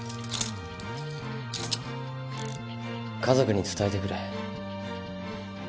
家族に伝えてくれ。